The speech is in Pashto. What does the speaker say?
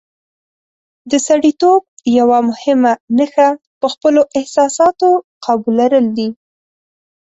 د سړیتوب یوه مهمه نښه په خپلو احساساتو قابو لرل دي.